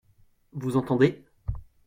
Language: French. Vous entendez ?